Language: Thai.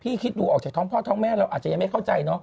พี่คิดดูออกจากท้องพ่อท้องแม่เราอาจจะไม่เข้าใจ